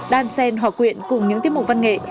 đan sen hòa quyện cùng những tiết mục văn nghệ